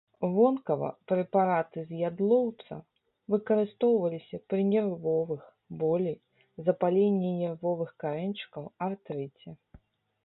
Вонкава прэпараты з ядлоўца выкарыстоўваліся пры нервовым болі, запаленні нервовых карэньчыкаў, артрыце.